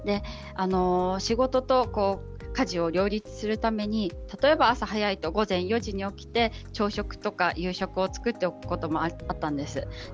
仕事と家事を両立するために例えば朝早いと午前４時に起きて朝食や夕食を作るということもあったんです。